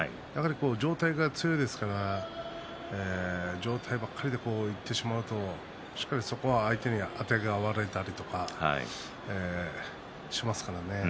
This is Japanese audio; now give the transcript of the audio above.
上体が強いですから上体ばかりでいってしまうとしっかり相手にあてがわれたりしますからね。